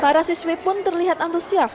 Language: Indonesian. para siswi pun terlihat antusias